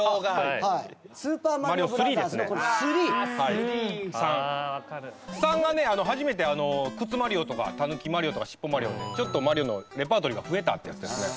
有野：『３』がね、初めてクツマリオとかタヌキマリオとかしっぽマリオとか、ちょっとマリオのレパートリーが増えたってやつですね。